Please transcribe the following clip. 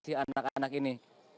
terhadap penuntut umum